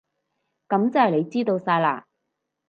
噉即係你知道晒喇？